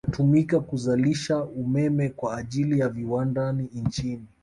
Inatumika kuzalishia umeme kwa ajili ya viwandani nchini